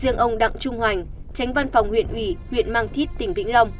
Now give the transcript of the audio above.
riêng ông đặng trung hoành tránh văn phòng huyện ủy huyện mang thít tỉnh vĩnh long